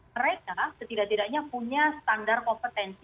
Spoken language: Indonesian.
mereka setidak tidaknya punya standar kompetensi